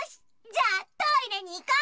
じゃあトイレにいこ！